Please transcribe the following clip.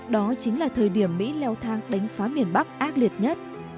đó chính là thời điểm mỹ leo thang đánh phá miền bắc ác liệt nhất